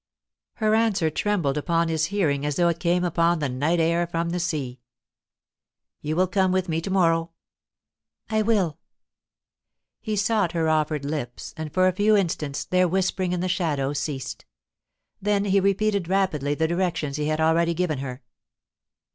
Her answer trembled upon his hearing as though it came upon the night air from the sea. "You will come with me to morrow?" "I will." He sought her offered lips, and for a few instants their whispering in the shadow ceased. Then he repeated rapidly the directions he had already given her.